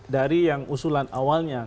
dari yang usulan awalnya